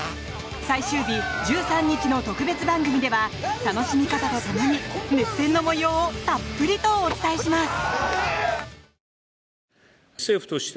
最終日１３日の特別番組では楽しみ方と共に熱戦の模様をたっぷりとお伝えします。